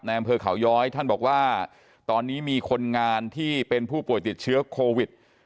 อำเภอเขาย้อยท่านบอกว่าตอนนี้มีคนงานที่เป็นผู้ป่วยติดเชื้อโควิด